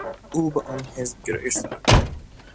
او به آن حزب گرایش دارد.